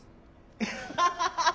アハハハ。